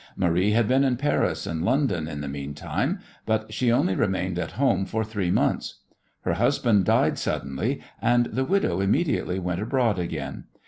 Marie had been in Paris and London in the meantime, but she only remained at home for three months. Her husband died suddenly, and the widow immediately went abroad again.